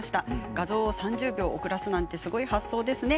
画像を３０秒遅らすなんてすごい発想ですね。